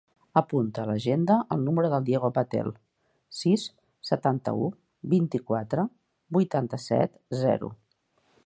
Apunta a l'agenda el número del Diego Patel: sis, setanta-u, vint-i-quatre, vuitanta-set, zero.